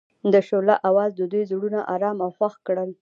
د شعله اواز د دوی زړونه ارامه او خوښ کړل.